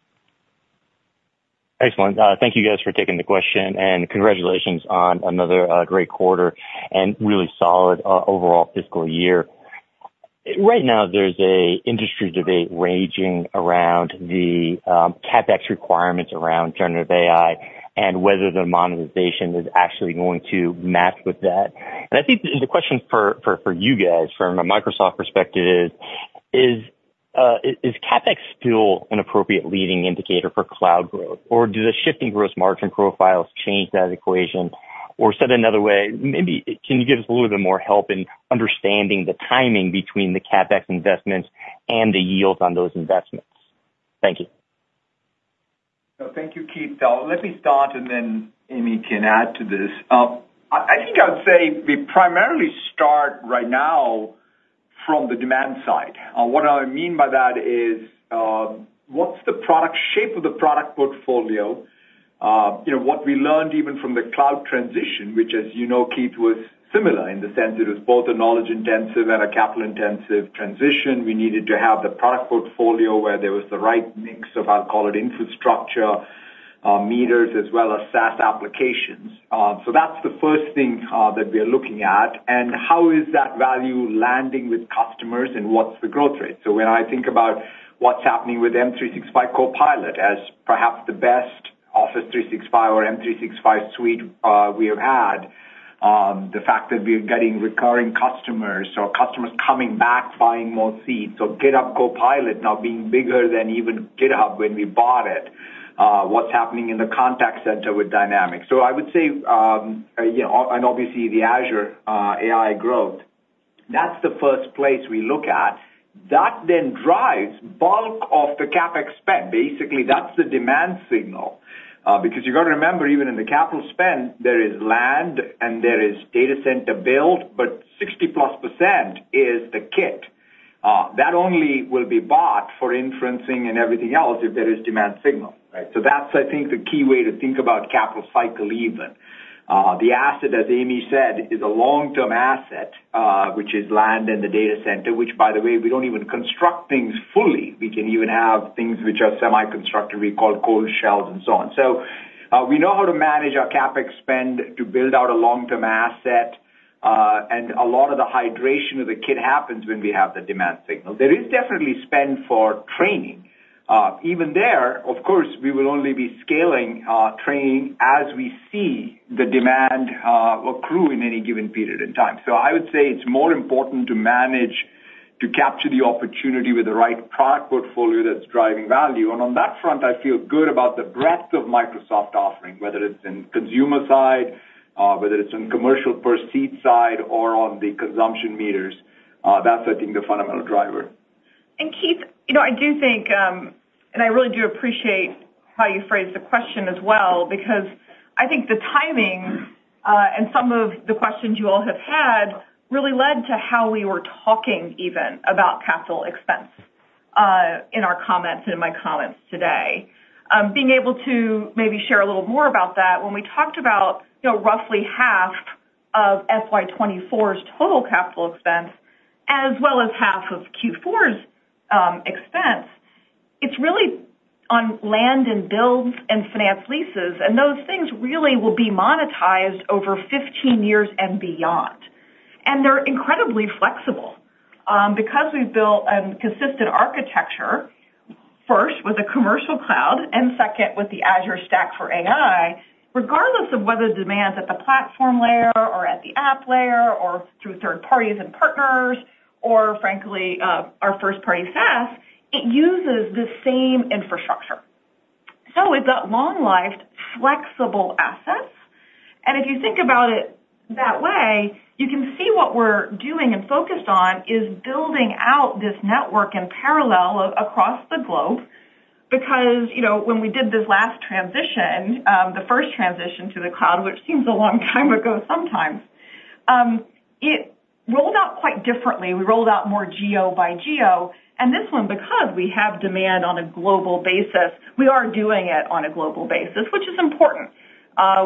Excellent. Thank you, guys, for taking the question, and congratulations on another great quarter and really solid overall fiscal year. Right now, there's an industry debate raging around the CapEx requirements around generative AI and whether the monetization is actually going to match with that. And I think the question for you guys, from a Microsoft perspective, is CapEx still an appropriate leading indicator for cloud growth, or do the shifting gross margin profiles change that equation? Said another way, maybe can you give us a little bit more help in understanding the timing between the CapEx investments and the yields on those investments? Thank you. Thank you, Keith. Let me start, and then Amy can add to this. I think I'd say we primarily start right now from the demand side. What I mean by that is, what's the product shape of the product portfolio? What we learned even from the cloud transition, which, as you know, Keith, was similar in the sense it was both a knowledge-intensive and a capital-intensive transition. We needed to have the product portfolio where there was the right mix of, I'll call it, infrastructure, meters, as well as SaaS applications. So that's the first thing that we are looking at. How is that value landing with customers, and what's the growth rate? So when I think about what's happening with M365 Copilot as perhaps the best Office 365 or M365 suite we have had, the fact that we are getting recurring customers or customers coming back, buying more seats, or GitHub Copilot now being bigger than even GitHub when we bought it, what's happening in the contact center with Dynamics. So I would say, and obviously the Azure AI growth, that's the first place we look at. That then drives bulk of the CapEx spend. Basically, that's the demand signal. Because you've got to remember, even in the capital spend, there is land and there is data center build, but 60%+ is the kit. That only will be bought for inferencing and everything else if there is demand signal. So that's, I think, the key way to think about capital cycle even. The asset, as Amy said, is a long-term asset, which is land and the data center, which, by the way, we don't even construct things fully. We can even have things which are semi-constructed, we call cold shells and so on. So we know how to manage our CapEx spend to build out a long-term asset, and a lot of the hydration of the kit happens when we have the demand signal. There is definitely spend for training. Even there, of course, we will only be scaling training as we see the demand accrue in any given period in time. So I would say it's more important to manage, to capture the opportunity with the right product portfolio that's driving value. And on that front, I feel good about the breadth of Microsoft offering, whether it's in consumer side, whether it's in commercial per seat side, or on the consumption meters. That's, I think, the fundamental driver. And Keith, I do think, and I really do appreciate how you phrased the question as well, because I think the timing and some of the questions you all have had really led to how we were talking even about capital expense in our comments and in my comments today. Being able to maybe share a little more about that, when we talked about roughly half of FY 2024's total capital expense, as well as half of Q4's expense, it's really on land and builds and finance leases, and those things really will be monetized over 15 years and beyond. They're incredibly flexible. Because we've built a consistent architecture, first with a commercial cloud and second with the Azure Stack for AI, regardless of whether the demand's at the platform layer or at the app layer or through third parties and partners or, frankly, our first-party SaaS, it uses the same infrastructure. So we've got long-lived, flexible assets. If you think about it that way, you can see what we're doing and focused on is building out this network in parallel across the globe. Because when we did this last transition, the first transition to the cloud, which seems a long time ago sometimes, it rolled out quite differently. We rolled out more geo by geo. And this one, because we have demand on a global basis, we are doing it on a global basis, which is important.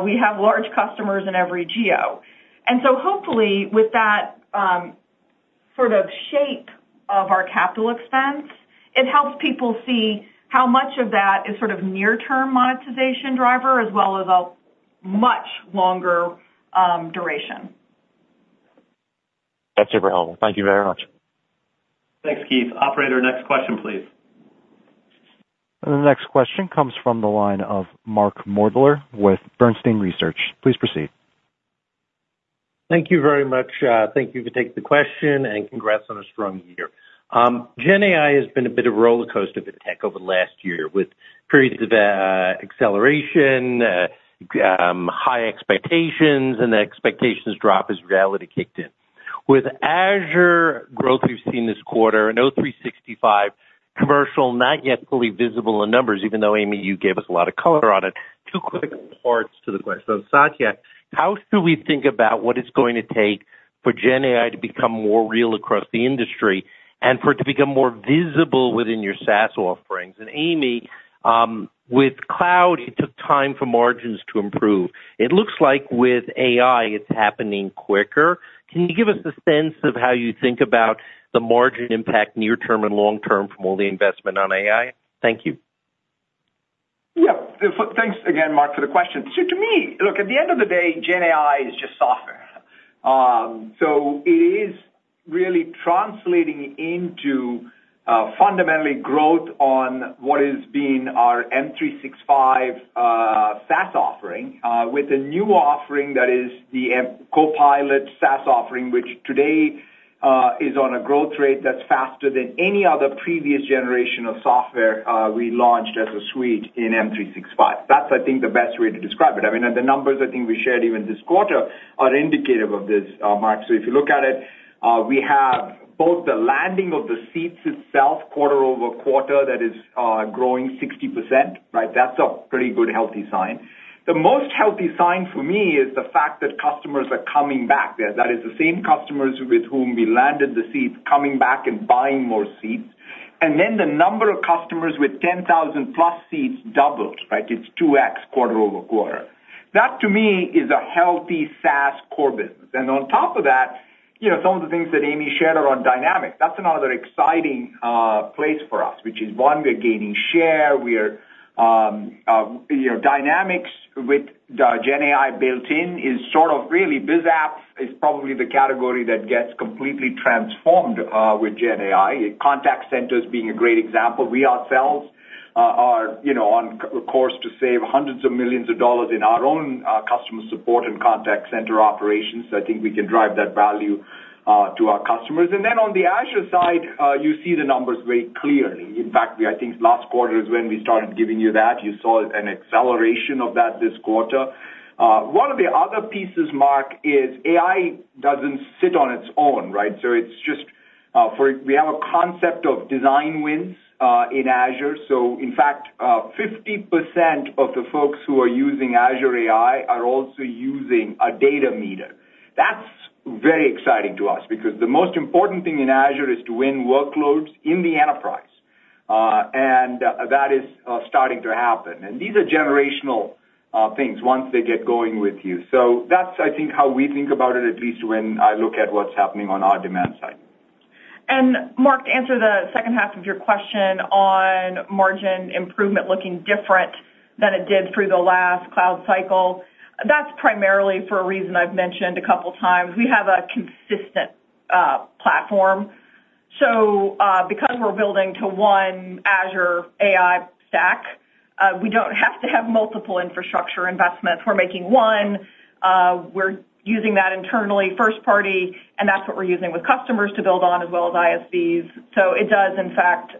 We have large customers in every geo. And so hopefully, with that sort of shape of our capital expense, it helps people see how much of that is sort of near-term monetization driver as well as a much longer duration. That's super helpful. Thank you very much. Thanks, Keith. Operator, next question, please. The next question comes from the line of Mark Moerdler with Bernstein Research. Please proceed. Thank you very much. Thank you for taking the question and congrats on a strong year. GenAI has been a bit of a roller coaster for tech over the last year with periods of acceleration, high expectations, and the expectations drop as reality kicked in. With Azure growth we've seen this quarter, an O365 commercial not yet fully visible in numbers, even though Amy, you gave us a lot of color on it. Two quick parts to the question. Satya, how should we think about what it's going to take for GenAI to become more real across the industry and for it to become more visible within your SaaS offerings? And Amy, with cloud, it took time for margins to improve. It looks like with AI, it's happening quicker. Can you give us a sense of how you think about the margin impact near-term and long-term from all the investment on AI? Thank you. Yeah. Thanks again, Mark, for the question. To me, look, at the end of the day, GenAI is just software. So it is really translating into fundamentally growth on what is being our M365 SaaS offering with a new offering that is the Copilot SaaS offering, which today is on a growth rate that's faster than any other previous generation of software we launched as a suite in M365. That's, I think, the best way to describe it. I mean, the numbers I think we shared even this quarter are indicative of this, Mark. So if you look at it, we have both the landing of the seats itself quarter-over-quarter that is growing 60%. That's a pretty good, healthy sign. The most healthy sign for me is the fact that customers are coming back. That is the same customers with whom we landed the seats coming back and buying more seats. And then the number of customers with 10,000+ seats doubled. It's 2x quarter-over-quarter. That, to me, is a healthy SaaS core business. And on top of that, some of the things that Amy shared around Dynamics, that's another exciting place for us, which is one, we're gaining share. Dynamics with GenAI built-in is sort of really BizApps is probably the category that gets completely transformed with GenAI. Contact centers being a great example. We ourselves are on course to save $hundreds of millions in our own customer support and contact center operations. I think we can drive that value to our customers. And then on the Azure side, you see the numbers very clearly. In fact, I think last quarter is when we started giving you that. You saw an acceleration of that this quarter. One of the other pieces, Mark, is AI doesn't sit on its own. So it's just we have a concept of design wins in Azure. So in fact, 50% of the folks who are using Azure AI are also using a data platform. That's very exciting to us because the most important thing in Azure is to win workloads in the enterprise. And that is starting to happen. And these are generational things once they get going with you. So that's, I think, how we think about it, at least when I look at what's happening on our demand side. And Mark, to answer the second half of your question on margin improvement looking different than it did through the last cloud cycle, that's primarily for a reason I've mentioned a couple of times. We have a consistent platform. So because we're building to one Azure AI stack, we don't have to have multiple infrastructure investments. We're making one. We're using that internally, first-party, and that's what we're using with customers to build on as well as ISVs. So it does, in fact,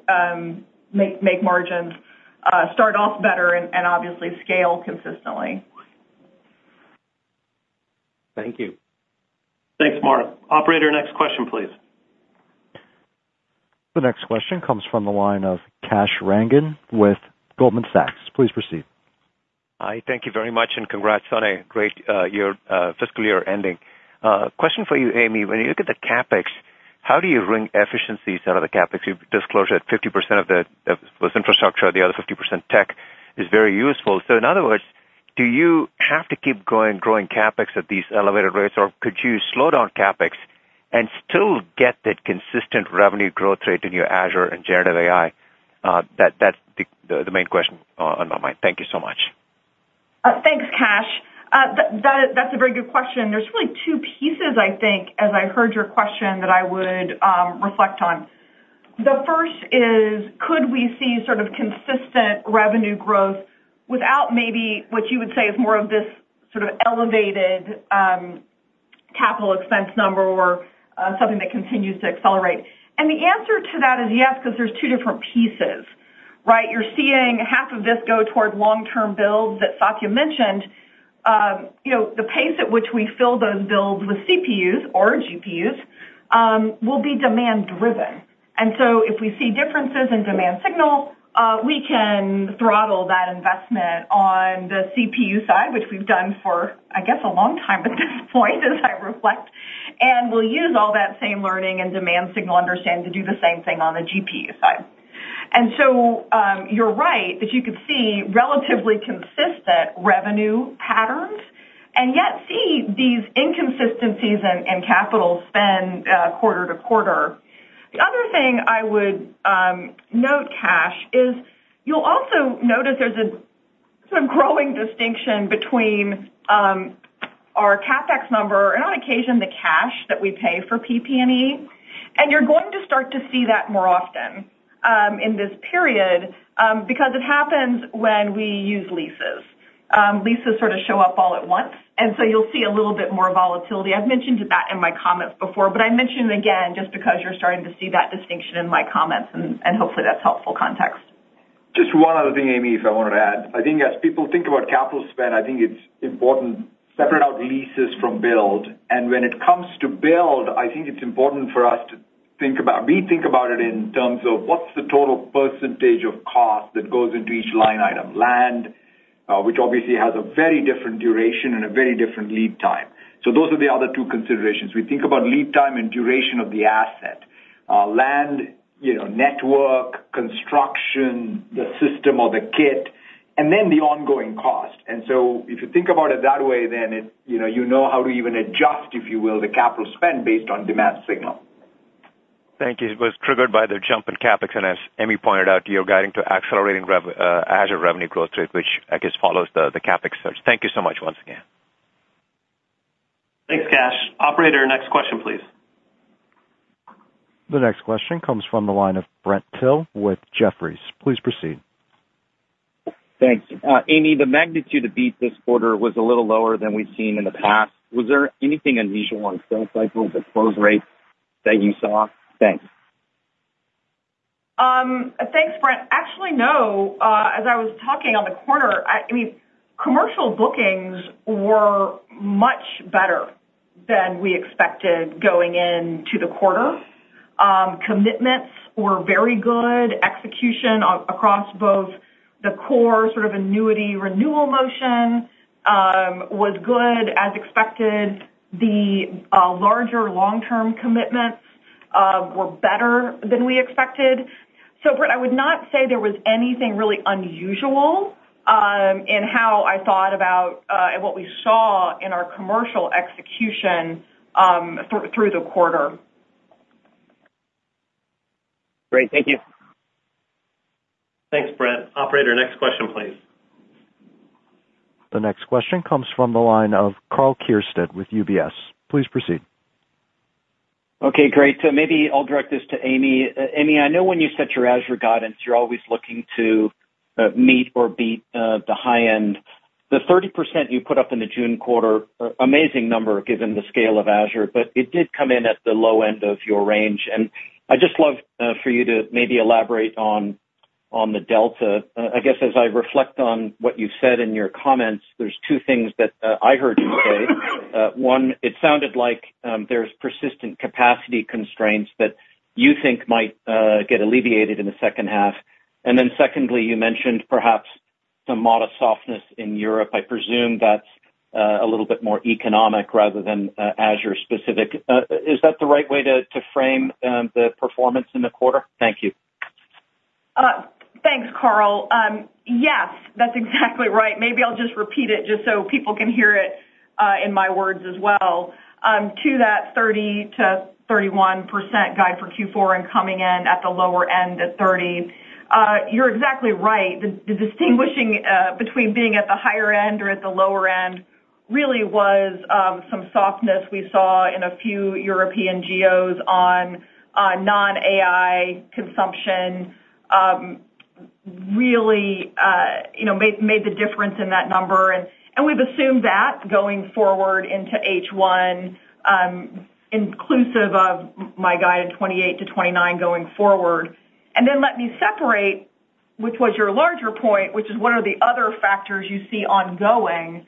make margins start off better and obviously scale consistently. Thank you. Thanks, Mark. Operator, next question, please. The next question comes from the line of Kash Rangan with Goldman Sachs. Please proceed. Hi. Thank you very much and congrats on a great fiscal year ending. Question for you, Amy. When you look at the CapEx, how do you bring efficiencies out of the CapEx? You've disclosed that 50% of the infrastructure, the other 50% tech is very useful. So in other words, do you have to keep growing CapEx at these elevated rates, or could you slow down CapEx and still get that consistent revenue growth rate in your Azure and generative AI? That's the main question on my mind. Thank you so much. Thanks, Kash. That's a very good question. There's really two pieces, I think, as I heard your question, that I would reflect on. The first is, could we see sort of consistent revenue growth without maybe what you would say is more of this sort of elevated capital expense number or something that continues to accelerate? And the answer to that is yes, because there's two different pieces. You're seeing half of this go toward long-term builds that Satya mentioned. The pace at which we fill those builds with CPUs or GPUs will be demand-driven. If we see differences in demand signal, we can throttle that investment on the CPU side, which we've done for, I guess, a long time at this point, as I reflect. We'll use all that same learning and demand signal understanding to do the same thing on the GPU side. You're right that you could see relatively consistent revenue patterns and yet see these inconsistencies in capital spend quarter to quarter. The other thing I would note, Kash, is you'll also notice there's a growing distinction between our CapEx number and, on occasion, the cash that we pay for PP&E. You're going to start to see that more often in this period because it happens when we use leases. Leases sort of show up all at once. You'll see a little bit more volatility. I've mentioned that in my comments before, but I mention it again just because you're starting to see that distinction in my comments, and hopefully that's helpful context. Just one other thing, Amy, if I wanted to add. I think as people think about capital spend, I think it's important to separate out leases from build. And when it comes to build, I think it's important for us to think about, we think about it in terms of what's the total percentage of cost that goes into each line item: land, which obviously has a very different duration and a very different lead time. So those are the other two considerations. We think about lead time and duration of the asset: land, network, construction, the system or the kit, and then the ongoing cost. And so if you think about it that way, then you know how to even adjust, if you will, the capital spend based on demand signal. Thank you. It was triggered by the jump in CapEx, and as Amy pointed out, you're guiding to accelerating Azure revenue growth rate, which I guess follows the CapEx surge. Thank you so much once again. Thanks, Kash. Operator, next question, please. The next question comes from the line of Brent Thill with Jefferies. Please proceed. Thanks. Amy, the magnitude of beat this quarter was a little lower than we've seen in the past. Was there anything unusual on sales cycle, the close rate that you saw? Thanks. Thanks, Brent. Actually, no. As I was talking earlier on the call, commercial bookings were much better than we expected going into the quarter. Commitments were very good. Execution across both the core sort of annuity renewal motion was good, as expected. The larger long-term commitments were better than we expected. So, Brent, I would not say there was anything really unusual in how I thought about what we saw in our commercial execution through the quarter. Great. Thank you. Thanks, Brent. Operator, next question, please. The next question comes from the line of Karl Keirstead with UBS. Please proceed. Okay. Great. So maybe I'll direct this to Amy. Amy, I know when you set your Azure guidance, you're always looking to meet or beat the high end. The 30% you put up in the June quarter, amazing number given the scale of Azure, but it did come in at the low end of your range. And I just love for you to maybe elaborate on the delta. I guess as I reflect on what you've said in your comments, there's two things that I heard you say. One, it sounded like there's persistent capacity constraints that you think might get alleviated in the second half. And then secondly, you mentioned perhaps some modest softness in Europe. I presume that's a little bit more economic rather than Azure-specific. Is that the right way to frame the performance in the quarter? Thank you. Thanks, Karl. Yes, that's exactly right. Maybe I'll just repeat it just so people can hear it in my words as well. To that 30%-31% guide for Q4 and coming in at the lower end at 30%, you're exactly right. The distinction between being at the higher end or at the lower end really was some softness we saw in a few European geos on non-AI consumption really made the difference in that number. And we've assumed that going forward into H1, inclusive of my guide at 28%-29% going forward. And then let me separate, which was your larger point, which is what are the other factors you see ongoing.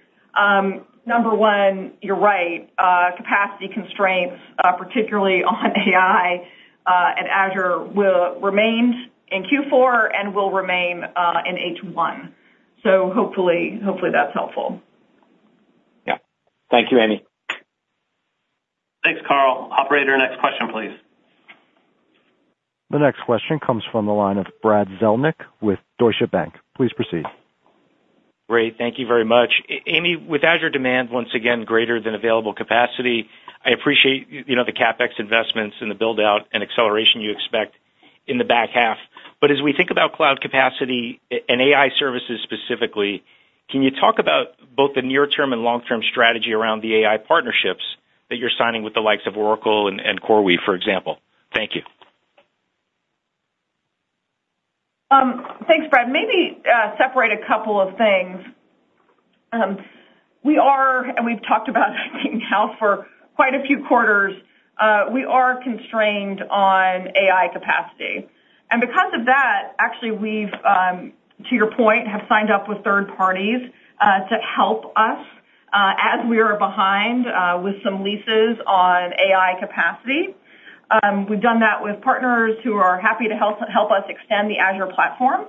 Number one, you're right. Capacity constraints, particularly on AI and Azure, will remain in Q4 and will remain in H1. So hopefully that's helpful. Yeah. Thank you, Amy. Thanks, Karl. Operator, next question, please. The next question comes from the line of Brad Zelnick with Deutsche Bank. Please proceed. Great. Thank you very much. Amy, with Azure demand, once again, greater than available capacity, I appreciate the CapEx investments and the build-out and acceleration you expect in the back half. But as we think about cloud capacity and AI services specifically, can you talk about both the near-term and long-term strategy around the AI partnerships that you're signing with the likes of Oracle and CoreWeave, for example? Thank you. Thanks, Brad. Maybe separate a couple of things. We've talked about, I think, now for quite a few quarters, we are constrained on AI capacity. And because of that, actually, we've, to your point, have signed up with third-parties to help us as we are behind with some leases on AI capacity. We've done that with partners who are happy to help us extend the Azure platform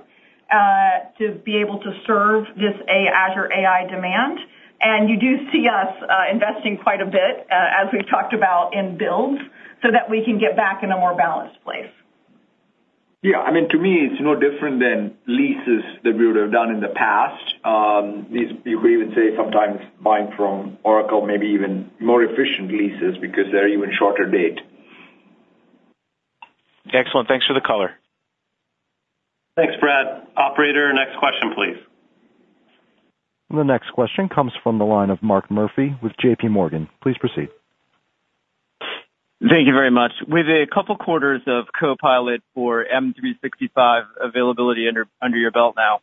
to be able to serve this Azure AI demand. You do see us investing quite a bit, as we've talked about, in builds so that we can get back in a more balanced place. Yeah. I mean, to me, it's no different than leases that we would have done in the past. You could even say sometimes buying from Oracle, maybe even more efficient leases because they're even shorter date. Excellent. Thanks for the color. Thanks, Brad. Operator, next question, please. The next question comes from the line of Mark Murphy with JPMorgan. Please proceed. Thank you very much. With a couple of quarters of Copilot for M365 availability under your belt now,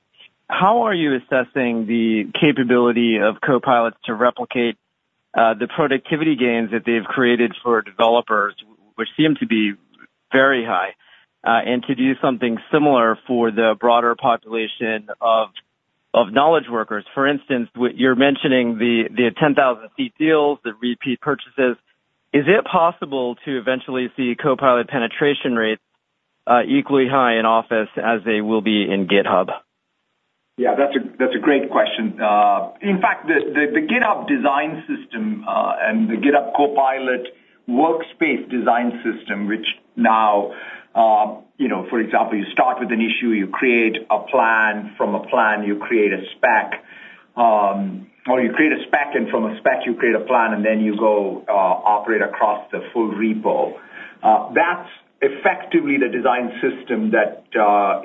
how are you assessing the capability of Copilot to replicate the productivity gains that they've created for developers, which seem to be very high, and to do something similar for the broader population of knowledge workers? For instance, you're mentioning the 10,000-seat deals, the repeat purchases. Is it possible to eventually see Copilot penetration rates equally high in Office as they will be in GitHub? Yeah, that's a great question. In fact, the GitHub design system and the GitHub Copilot Workspace design system, which now, for example, you start with an issue, you create a plan from a plan, you create a spec, or you create a spec, and from a spec, you create a plan, and then you go operate across the full repo. That's effectively the design system that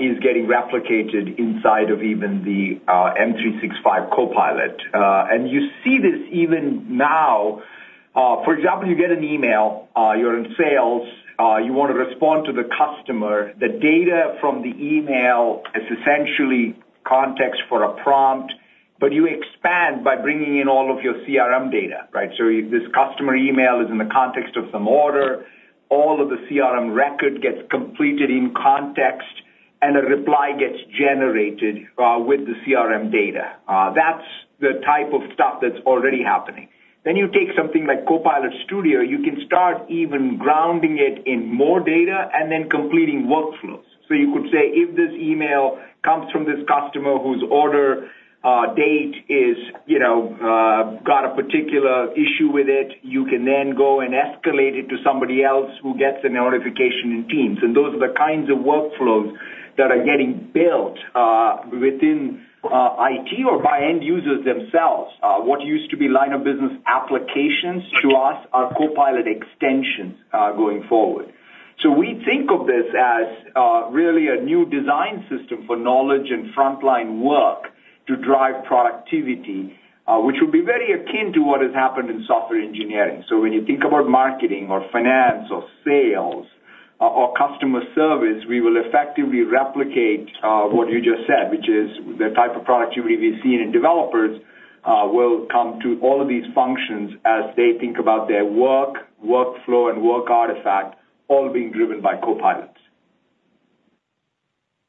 is getting replicated inside of even the M365 Copilot. And you see this even now. For example, you get an email, you're in sales, you want to respond to the customer. The data from the email is essentially context for a prompt, but you expand by bringing in all of your CRM data. This customer email is in the context of some order. All of the CRM record gets completed in context, and a reply gets generated with the CRM data. That's the type of stuff that's already happening. You take something like Copilot Studio. You can start even grounding it in more data and then completing workflows. You could say, "If this email comes from this customer whose order date has got a particular issue with it, you can then go and escalate it to somebody else who gets a notification in Teams." Those are the kinds of workflows that are getting built within IT or by end users themselves. What used to be line of business applications to us are Copilot extensions going forward. So we think of this as really a new design system for knowledge and frontline work to drive productivity, which will be very akin to what has happened in software engineering. So when you think about marketing or finance or sales or customer service, we will effectively replicate what you just said, which is the type of productivity we've seen in developers will come to all of these functions as they think about their work, workflow, and work artifact, all being driven by Copilot.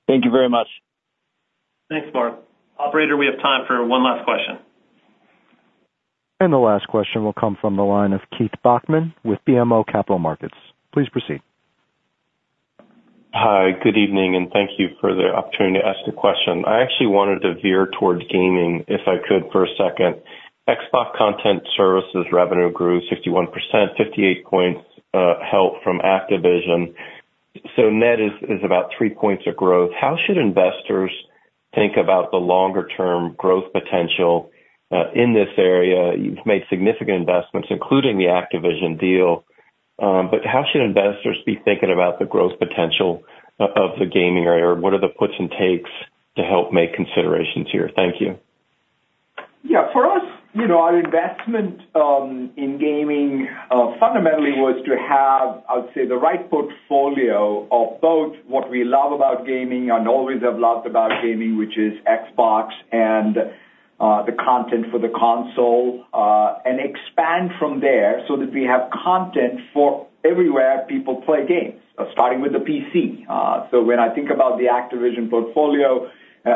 Thank you very much. Thanks, Mark. Operator, we have time for one last question. And the last question will come from the line of Keith Bachman with BMO Capital Markets. Please proceed. Hi, good evening, and thank you for the opportunity to ask the question. I actually wanted to veer towards gaming, if I could, for a second. Xbox Content Services revenue grew 61%, 58 points help from Activision. So net is about 3 points of growth. How should investors think about the longer-term growth potential in this area? You've made significant investments, including the Activision deal. But how should investors be thinking about the growth potential of the gaming area? What are the puts and takes to help make considerations here? Thank you. Yeah. For us, our investment in gaming fundamentally was to have, I would say, the right portfolio of both what we love about gaming and always have loved about gaming, which is Xbox and the content for the console, and expand from there so that we have content for everywhere people play games, starting with the PC. So when I think about the Activision portfolio,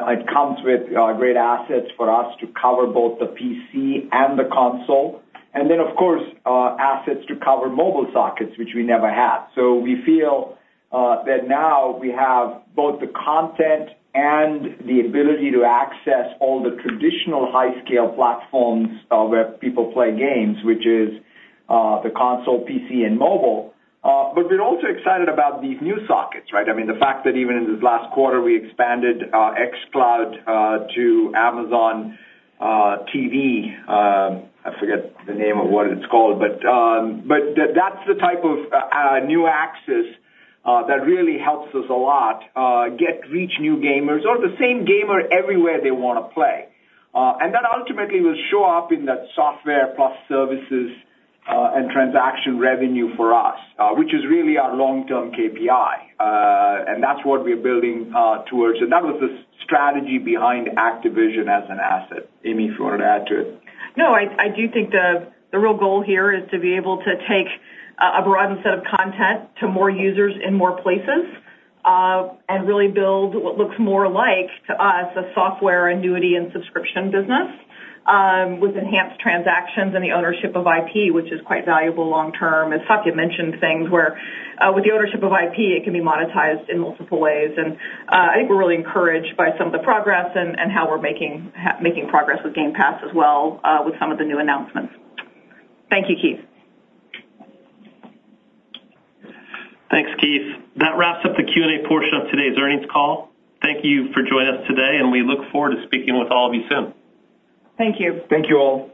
it comes with great assets for us to cover both the PC and the console. And then, of course, assets to cover mobile sockets, which we never had. So we feel that now we have both the content and the ability to access all the traditional hyperscale platforms where people play games, which is the console, PC, and mobile. But we're also excited about these new sockets. I mean, the fact that even in this last quarter, we expanded xCloud to Amazon TV. I forget the name of what it's called. But that's the type of new access that really helps us a lot reach new gamers or the same gamer everywhere they want to play. And that ultimately will show up in that software plus services and transaction revenue for us, which is really our long-term KPI. And that's what we're building towards. And that was the strategy behind Activision as an asset. Amy, if you want to add to it. No, I do think the real goal here is to be able to take a broadened set of content to more users in more places and really build what looks more like to us a software annuity and subscription business with enhanced transactions and the ownership of IP, which is quite valuable long-term. As Satya mentioned, things where with the ownership of IP, it can be monetized in multiple ways. I think we're really encouraged by some of the progress and how we're making progress with Game Pass as well with some of the new announcements. Thank you, Keith. Thanks, Keith. That wraps up the Q&A portion of today's earnings call. Thank you for joining us today, and we look forward to speaking with all of you soon. Thank you. Thank you all.